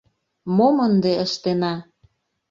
Мом ынде ыштена?